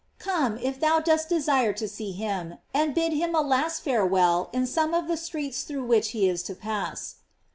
"f Come, if thou dost desire to see him^ and bid him a last farewell in some of the streets through which he is to pass.